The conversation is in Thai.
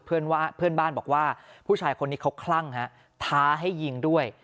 เพื่อนบ้านบอกว่าผู้ชายคนนี้เขาคลั่งฮะท้าให้ยิงด้วย